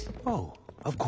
ああ！